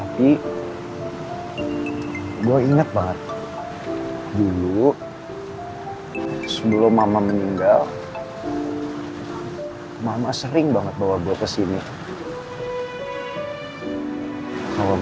pas gue benari udah kekal